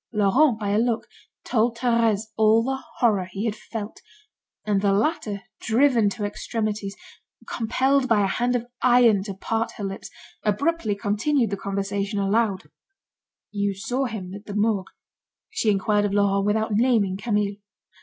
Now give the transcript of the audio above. Laurent, by a look, told Thérèse all the horror he had felt, and the latter, driven to extremities, compelled by a hand of iron to part her lips, abruptly continued the conversation aloud: "You saw him at the Morgue?" she inquired of Laurent without naming Camille.